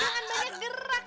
jangan banget gerak